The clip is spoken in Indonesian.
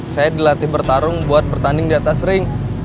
saya dilatih bertarung buat bertanding di atas ring